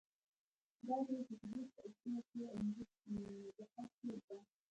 دا د فقهې په اصولو کې عمده مباحثو ده.